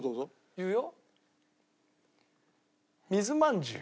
言うよ。